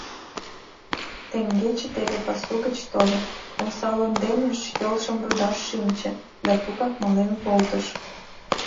Теҥгече теве пасу гыч тольо, омса лондемеш йолжым рудаш шинче да тугак мален колтыш.